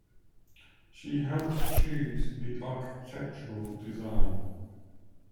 She helped choose the architectural design.